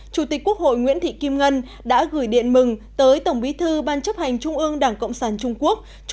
chủ tịch quốc hội nguyễn thị kim ngân đã gửi điện mừng tới tổng bí thư ban chấp hành trung ương đảng cộng sản trung quốc